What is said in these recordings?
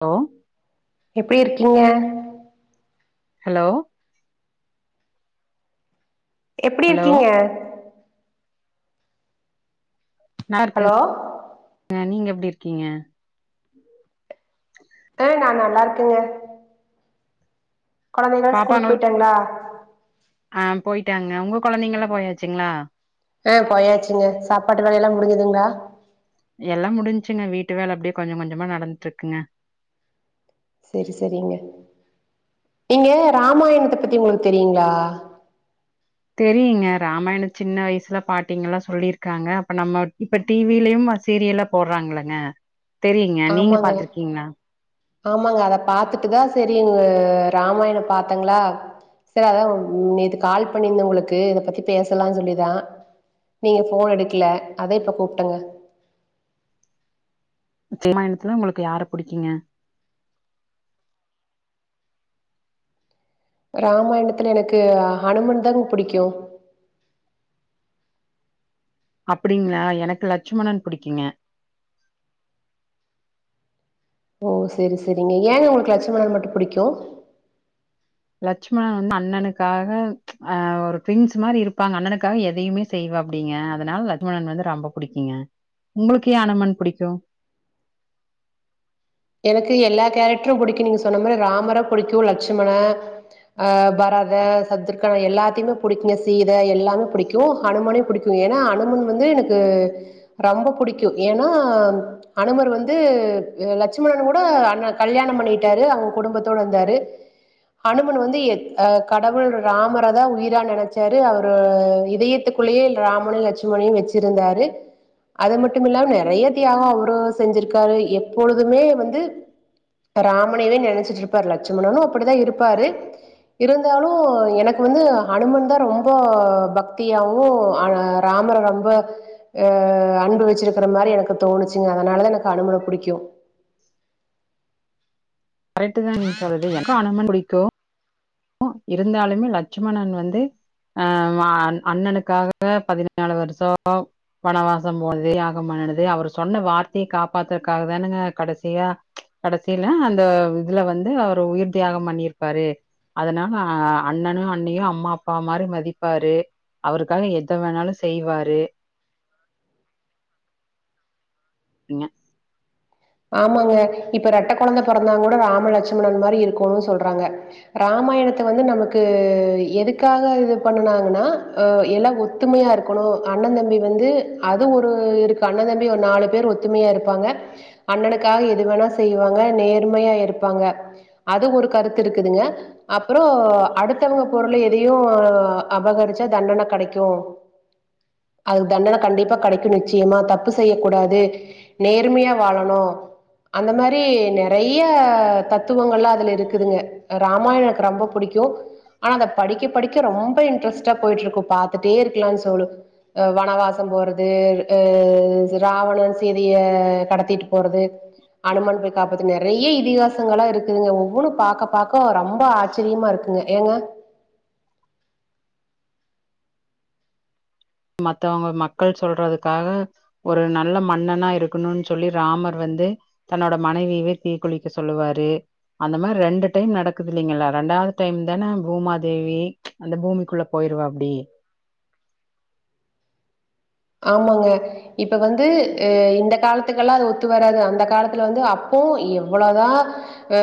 Low எப்டி இருக்கீங்க hello எப்டி ஹலோ இருக்கீங்கெ ஹலோ நல்லாருக் [inaudible] நீங்க எப்டி இருக்கீங்க அ நா நல்லாருக்கங்க கொழந்தைகள் ஸ்கூலுக் போய்ட்டாங்களா அ பொயிட்டாங்க உங்க கொழந்தைங்கல்லா போயாச்சுங்ளா அ போயாச்சுங்க சாப்பாட்டு வேலையெல்லா முடுஞ்சதுங்ளா எல்லா முடிஞ்சுங்க வீட்டு வேல அப்டியே கொஞ்ச கொஞ்சமா நடந்துட்டு இருக்குங்க செரி செரிங்க நீங்கெ ராமாயணத்த பத்தி உங்களுக் தெரியுங்ளா தெரியுங்க ராமாயண சின்ன வயசுல பாட்டிங்கல்லா சொல்லிருக்காங்க அப்ப நம்ம இப்ப டி வி லயும் சீரியலா போடுறாங்களங்க தெரியுங்க நீங்க ஆமாங்க பாத்துருக்கீங்ளா ஆமாங்க அத பாத்துட்டுதா செரிங்க ராமாயணம் பாத்தங்ளா செர் அதா நேத்து கால் பண்ணிருந்தே உங்களுக்கு இத பத்தி பேசலான் சொல்லிதா நீங்க ஃபோன் எடுக்கல அத இப்போ கூப்ட்டங்க ராமாயணத்துல ஒங்களுக்கு யார புடிக்குங்க ராமாயணத்துல எனக்கு ஹனுமன் தாங்க புடிக்கு அப்புடிங்ளா எனக்கு லெட்சுமணன் புடிக்கிங்க ஓ செரி செரிங்க ஏங்க உங்களுக்கு லட்சுமணன் மட்டு புடிக்கு லெட்ச்மணன் வந்து அண்ணனுக்காக அ ஒரு பிரின்ஸ் மாரி இருப்பாங்க அண்ணனுக்காக எதையுமே செய்வாப்டிங்க அதுனால லெட்சுமணன் வந்து ரொம்ப புடிக்கிங்க உங்களுக்கு ஏ ஹனுமன் புடிக்கு எனக்கு எல்லா கேரக்ட்ரு புடிக்கு நீங்க சொன்ன மாரி ராமர புடிக்கு லெச்சுமண அ பரதே சத்ருக்கனே எல்லாத்தையுமே பிடிக்குங்க சீத எல்லாமே பிடிக்கு ஹனுமனயு புடிக் ஏன்னா அனுமன் வந்து எனக்கு ரொம்பப் புடிக்கு ஏன்னா அனுமர் வந்து லெக் லெச்சுமணன் கூட அண்ண கல்யாணம் பண்ணிகிட்டாரு அவுங்க குடும்பத்தோட வந்தாரு அனுமன் வந்து எ கடவுள் ராமர தா உயிரா நெனச்சாரு அவரு இதய த்துக்குள்ளயே ராமனையு லட்சுமணயு வெச்சுருந்தாரு அது மட்டும் இல்லாம நெறைய தியாகொ அவரு செஞ்சிருக்காரு எப்பொழுதுமே வந்து ராமனையவே நெனச்சிட்டு இருப்பாரு லெட்சுமணனு அப்புடிதா இருப்பாரு இருந்தாலு எனக்கு வந்து ஹனுமன் தா ரொம்ப பக்தியாவு [unintelligible] ராமர ரொம்ப அ அன்பு வச்சிருக்கிற மாரி எனக்கு தோணுச்சுங்க அதனாலதா எனக்கு அனுமன புடிக்கு கரெக்ட்டு தா நீங்க சொல்றிய எனக்கு அனுமன் புடிக்கு அ இருந்தாலுமே லட்சுமணன் வந்து அ ம அண்ணனுக்காக பதினாலு வருஷோம் வனவாசம் போனது த்யாகம் பண்ணுனது அவர் சொன்ன வார்த்தையக் காப்பாத்துறதுக்காக தானுங்க கடேசியா கடேசியில அந்த இதுல வந்து அவரு உயிர்த் தியாகம் பண்ணிருப்பாரு அதனால அண்ணனயு அன்னியு அம்மா அப்பா மாதிரி மதிப்பாரு அவருக்காக எத வேணாலு செய்வாரு இங்க ஆமாங்க இப்ப ரெட்ட கொழந்த பொறந்தா கூட ராமலட்சுமணன் மாரி இருக்கோனுன்னு சொல்றாங்க இராமாயணத்த வந்து நமக்கு எதுக்காக இது பண்ணாங்கன்னா அ எல ஒ ஒத்துமையா இருக்கணு அண்ணந் தம்பி வந்து அது ஒரு இருக்கு அண்ணந் தம்பி ஒரு நாலு பேர் ஒத்துமையா இருப்பாங்க அண்ணனுக்காக எது வேணா செய்வாங்க நேர்மையா இருப்பாங்க அது ஒரு கருத்து இருக்குதுங்க அப்புற அடுத்தவங்க பொருளை எதையு அபகரிச்சா தண்டன கெடைக்கு [inaudible] அதுக்கு தண்டனை கண்டிப்பா கெடைக்கு நிச்சயமா தப்பு செய்யக் கூடாது நேர்மையா வாழண் ணு அந்த மாரி நெறைய தத்துவங்கள்லா அதுல இருக்குதுங்க ராமாயண எனக்கு ரொம்ப புடிக்கு ஆனா அதப் படிக்கப் படிக்க ரொம்ப இன்ட்ரெஸ்ட்டா போயிட்டு இருக்கு பாத்துட்டே இருக்கலான்னு சோலு அ வனவாசம் போறது எ அ ராவணன் சீதய கடத்திட்டு போறது அனுமான் போயி காப்பாத்துனாரு நெறைய இதிகாசங்களா இருக்குதுங்க ஒவ்வொன்னு பாக்க பாக்க ரொம்ப ஆச்சரியமா இருக் ங்க ஏங்க மத்தவங்க மக்கள் சொல்றதுக்காக ஒரு நல்ல மன்னனா இருக்கணும்ன்னு சொல்லி ராமர் வந்து தன்னோட மனைவியவே தீக்குளிக்க சொல்லுவாரு அந்த மாரி ரெண்டு டைம் நடக்குது இல்லீங்களா ரெண்டாவது டைம் தானே பூமாதேவி அந்த பூமிக்குள்ள போயிருவா அப்டி ஆமாங்க இப்ப வந்து அ இந்த காலத்துக்கெல்லா அது ஒத்து வராது அந்த காலத்துல வந்து அப்போ எவ்வள தா அ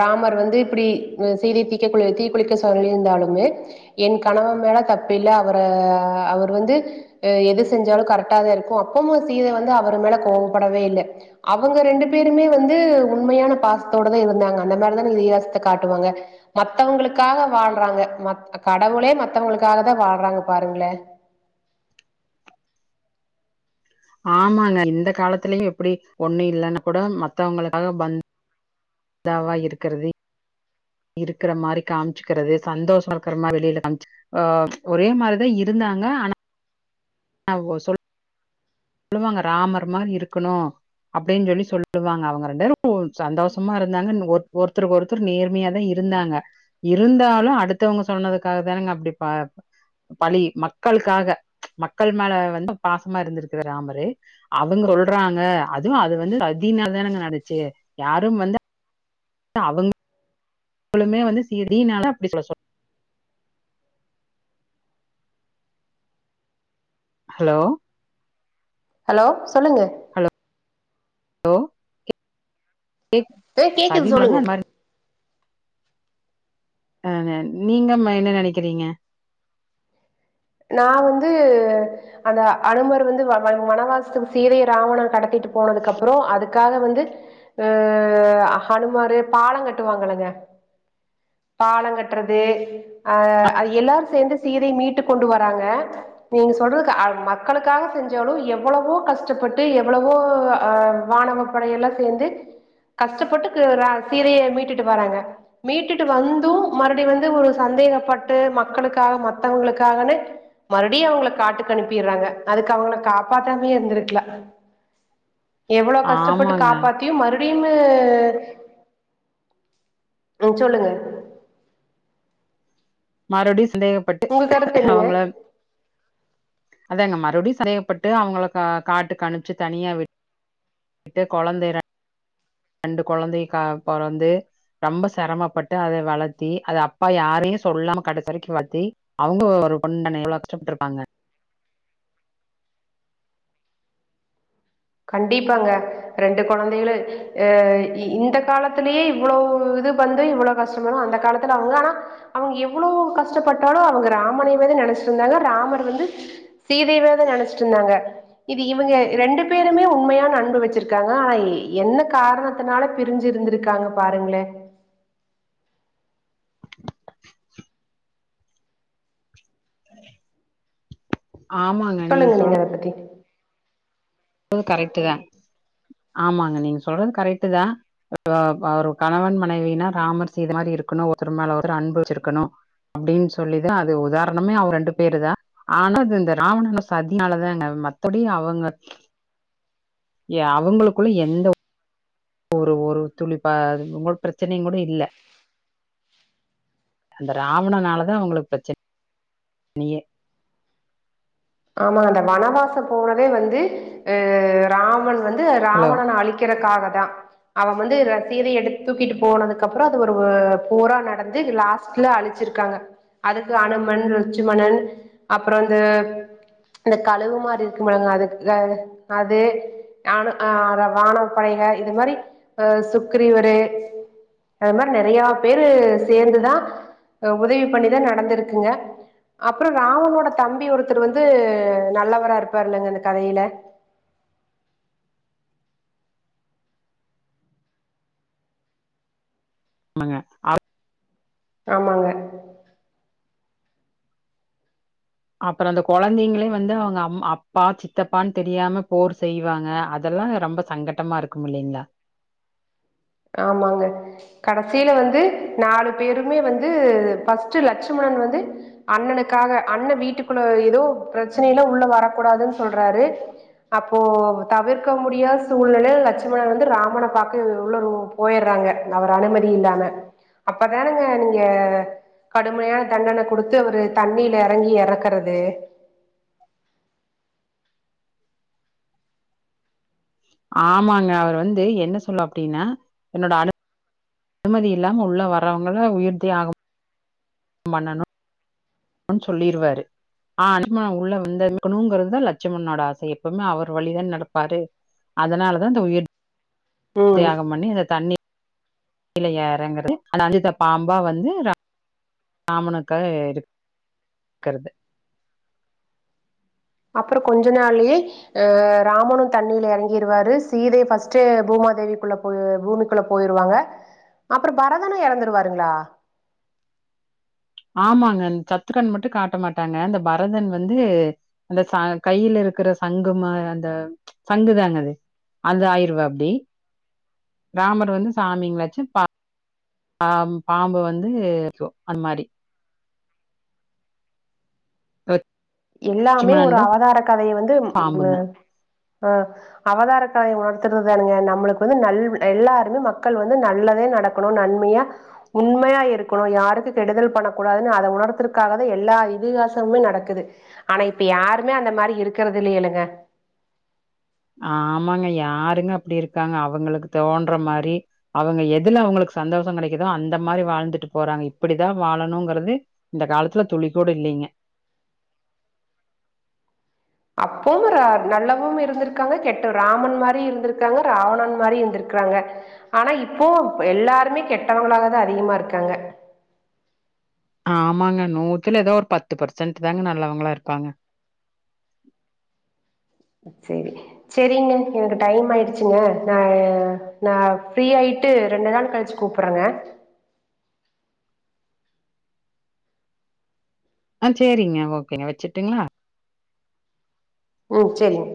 ராமர் வந்து இப்டி சீதைய தீக்க குளி தீக்குளிக்க சொல்லி இருந்தாலுமே என் கணவர் மேல தப்பு இல்ல அவர அவர் வந்து அ எது செஞ்சாலு கரெக்டா தா இருக்கு அப்பமு சீதை வந்து அவர் மேலே கோவப்படவே இல்லே அவங்க ரெண்டு பேருமே வந்து உண்மையான பாசத்தோட தா இருந்தாங்க அந்த மாதிரிதானே இதிகாசத்த காட்டுவாங்க மத்தவங்களுக்காக வாழ்றாங்க மத் கடவுளே மத்தவங்களுக்காக தா வாழ்றாங்கப் பாருங்களே ஆமாங்க இந்த காலத்திலயு இப்பிடி ஒண்ணு இல்லைன்னா கூட மத்தவங்களுக்காக பந் தாவா இருக்கிறது இருக்கிற மாதிரி காமிச்சிக்கிறது சந்தோஷ இருக்கிற மாதிர வெலில காமிச்சு ஆ ஒரே மாரிதா இருந்தாங்க ஆனா ஆ சொல்ல சொல்லுவாங்க ராமர் மாதிரி இருக்கணு அப்டின்னு சொல்லி சொல்லுவாங்க அவங்க ரெண்டு பேரும் சந்தோஷமா இருந்தாங்க ஒருத்தருக்கு ஒருத்த நேர்மையா தா இருந்தாங்க இருந்தாலு அடுத்தவங்க சொன்னதுக்காக தானங்க அப்டி ப பழி மக்களுக்காக மக்கள் மேல வந்து பாசமா இருந்திருக்கிற ராமரு அவங்க சொல்றாங்க அதுவு அது வந்து சதினால தானங்க நடந்துச்சு யாரும் வந்து தஅவங் ழுமே வந்து சேரி னால அப்டி சொல்ல சொல் ஹலோ ஹலோ சொல்லுங்க ஹலோ ஹலோ கேக் ஆ கேக்குது சதிங்கள தா சொல்லுங்க அது மாரி அஹ் அஹ் நீங்க என்ன நினைக்கிறீங்க நா வந்து அந்த அனுமர் வந்து வனவாசத்துக்கு சீதைய ராவணன் கடத்திட்டு போனதுக்கு அப்புறோ அதுக்காக வந்து அஹ் ஹனுமாரு பாலோ கட்டுவாங்களங்க பாலங்கட்டுறது அஹ் அது எல்லாரு சேந்து சீதைய மீட்டு கொண்டுவராங்க நீங்க சொல்றதுக்கு அ மக்களுக்காக செஞ்சாலு எவ்வளவோ கஷ்டப்பட்டு எவ்வளவோ அஹ் வானவ படையெல்லா சேந்து கஷ்டப்பட்டு ர சீதய மீட்டுட்டு வறாங்க மீட்டுட் வந்து மறுபடியு வந்து சந்தேகப்பட்டு மக்களுக்காக மத்தவங்களுக்காகனு மறுபடியு அவ்ங்ள காட்டுக்கனுப்பிறாங்க அதுக்கவுங்கள காப்பாத்தாமயே இருந்திருக்லா [inaudible] எவ்ளோ கஷ்டப்பட்டு ஆமாங்க காப்பாத் மறுடியுமு அஹ் சொல்லுங்க மறுப்டியு சந்தேகப்பட்டு உங்க கருத்து என்னங்க அவுங்கள அதாங்க மறுப்டியு சந்தேகப்பட்டு அவுங்ள காட்டுக்கணுப்ச்சு தனியா விட் விட்டு குழந்தய ர ரெண்டு குழந்தைக்க பொறந்து ரொம்ப சிரமப்பட்டு அத வளத்தி அத அப்பா யாரையு சொல்லாம கடைசி வரைக்கு வளத்தி அவுங்ளு ஒரு பொண்ணு தானே எவ்ளோ கஷ்டப்பட்ருப்பாங்க கண்டிப்பாங்க ரெண்டு குழந்தைகள அஹ் இந்த காலத்லயே இவ்ளோ இது வந்து இவ்ளோ கஷ்டப்பட்றோ அந்த காலத்துல அவுங்க ஆனா அவுங்க எவ்ளோ கஷ்டப்பட்டாலு அவுங்க ராமனேவாது நினைச்சிட்ருந்தாங்க ராமர் வந்து சீதயேவாது நினைச்ட்டுருந்தாங்க இது இவுங்க ரெண்டு [inaudible] உண்மையான அன்பு வச்சிருக்காங்க ஆனா என்ன காரணத்தினால பிரிஞ்சு இருந்திருக்காங்க பாருங்ளே ஆமா சொல்லுங்க நீங்க அத பத்தி து கரெக்ட் தா ஆமாங்க நீங்க சொல்றது கரெக்டு தா ஒரு ஒரு கணவன் மனைவினா ராமர் சீத மாரி இருக்கணு ஒருத்தருமேல ஒருத்தர் அன்பு வச்சிருக்கணு அப்டின்னு சொல்லிதா அது உதாரணமே அவுரு ரெண்டு பேரு தா ஆன அது இந்த ராவணன் சதினால தாங்க மத்தோடி அவுங்க ஏ அவுங்களுக்குள்ள எந்த ஒரு ஒரு துளிப்பா பிரச்சனைையுங் கூட இல்ல அந்த ராவணனால தா அவுங்களுக்கு பிரச்சனையே ஆமா அந்த வனவாசோ போனதே வந்து அஹ் ராவன் வந்து ஹலோ ராவணன அழிக் இருக்றக்காக தா அவ வந்து ர சீதய எடு தூக்கிட்டு போனதுக்கு அப்புறோ அது ஒரு போரா நடந்து லாஸ்ட் ல அழிச்சிருக்காங்க அதுக்கு அனும்மன் ருட்சிமணன் அப்புறோ வந்து இந்த கழுவு மாரி இருக்குன்பாங்க அது அது ஆன ஆ வான படைக இது மாரி அ சுக்ரிவருரு அது மாரி நெறையாபேரு சேந்துதா உதவி பண்ணி தா நடந்திருக்குங்க அப்புறோ ராமனோட தம்பி ஒருத்தர் வந்து நல்லவரா‌ இருப்பாருல்லங்க இந்த கதையில ஆமாங்க ஆ ஆமாங்க அப்புறோ அந்த கொழந்தைங்களே வந்து அவுங்க அப்பா சித்தப்பான்னு தெரியாம போர் செய்வாங்க அதெல்லா ரொம்ப சங்கட்டமா இருக்கு இல்லைங்ளா ஆமாங்க கடசியில வந்து நாலு பேருமே வந்து ஃபஸ்ட்டு லட்சுமணன் வந்து அண்ணனுக்காக அண்ண வீட்டுக்குள்ள ஏதோ பிரச்சனைையில உள்ள வரக்கூடாதுன் சொல்றாரு அப்போ தவிர்க்க முடியா சூழ்நிலைல லட்சுமணன் வந்து ராமன பாக்க உள்ள போயிற்றாங்க அவர் அனுமதி இல்லாம அப்பதானுங்க நீங்க கடுமையான தண்டன குடுத்து அவரு தண்ணீல எறங்கி எறக்குறது ஆமாங்க அவர் வந்து என்ன சொல்ல அப்டின்னா என்னோட அனு அனுமதி இல்லாம உள்ள வர்றவங்கள உயிர்த்தியாகம் மண்ணனு சொல்லிருவாரு ஆ அனுமன உள்ள வந்து வக்கணுங்கிறதுதா லட்சுமண்ணோட ஆசையே எப்பவுமே அவர் வழிதான நடப்பாரு அதனால தா இந்த உயிர் ம் தியாகம் பண்ணி அந்த தண்ணி கிழ எறங்குறது அது அஞ்சுத்த பாம்பா வந்து ராமனுக்காக இருக்குறது அப்புறோ கொஞ்ச நாள்லயே ஆ ராமனு தண்ணில எறங்கிருவாரு சீதை ஃபஸ்டே பூமாதேவிக்குள்ள போ பூமிக்குள்ள போயிருவாங்க அப்பறோ பரதனு எறந்துருவாருங்ளா ஆமாங்க அ சத்துக்கண் மட்டு காட்ட மாட்டாங்க அந்த பரதன் வந்து அந்த ச கையில இருக்குற சங்குமா அந்த சங்கு தாங்க அது அது ஆயிருவப்புடி ராமர் வந்து சாமி வச்சு ப பா பாம்பு வந்து சோ அந்த மாரி எல்லாமே ஒரு லட்சுமணன் தான் அவதார கதைய வந்து ம் ம்ப பாம்புங்க. ஆ அவதார கதய மாத்துறதுதானுங்க நம்மளுக்கு வந்து நல் எல்லாருமே மக்கள் வந்து நல்லதே நட க்கணு நன்மையா உண்மையா இருக்கணு யாருக்கு கெடுதல் பண்ணக் கூடாதுன் அத உணர்த்ததுக்காகவே எல்லா இதிகாசமுமே நடக்குது ஆனா இப்ப யாருமே அந்த மாரி இருக்குறது இல்லையே இல்லங்க ஆமாங்க யாருங்க அப்டி இருக்காங்க அவுங்களுக்கு தோன்ற மாரி அவுங்க எதுல அவுங்களுக்கு சந்தோஷோ கெடைக்குதோ அந்த மாரி வாழ்ந்துட்டு போறாங்க இப்டிதா வாழணுங்குறது இந்த காலத்துல துளி கூட இல்லீங்க அப்போவு நல்லவும் இருந்துருக்காங்க கெட்ட ராமன் மாரி இருந்துருக்காங்க ராவணன் மாரி இருந்துருக்றாங்க ஆனா இப்போ எல்லாருமே கெட்டவங்களாக தா அதிகமாக இருக்காங்க ஆமாங்க நூத்துல ஏதோ ஒரு பத்து பர்சன்ட் தாங்க நல்லவங்ளா இருப்பாங்க சேரி செரிங்க எனக்கு டைம் ஆய்டுச்சுங்க நா நா ஃப்ரீயாய்ட்டு ரெண்டு நாள் கழுச்சு கூப்பறங்க ஆ செரிங்க ஓகேங்க வச்சுட்டுங்களா ம் செரிங்